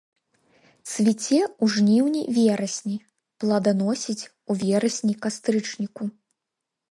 Цвіце ў жніўні-верасні, пладаносіць у верасні-кастрычніку.